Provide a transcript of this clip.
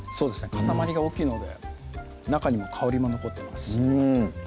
塊が大きいので中にも香りも残ってますしうん